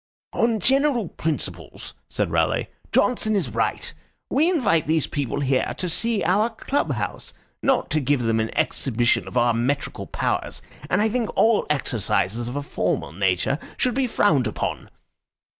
"On general principles," said Raleigh, "Johnson is right. We invite these people here to see our club house, not to give them an exhibition of our metrical powers, and I think all exercises of a formal nature should be frowned upon."